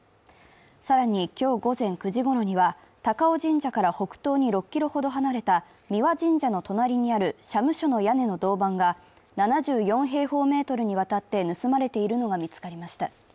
更に今日午前９時ごろにはたかお神社から北東に６ｋｍほど離れた三輪神社の隣にある社務所の屋根の銅板が７４平方メートルにわたって盗まれているのが見つかりました。